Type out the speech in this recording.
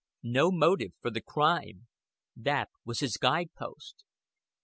No motive for the crime. That was his guide post.